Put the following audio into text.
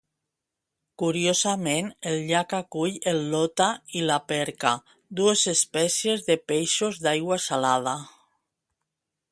Curiosament, el llac acull el lota i la perca, dues espècies de peixos d'aigua salada.